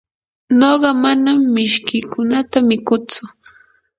nuqa manam mishkiykunata mikutsu.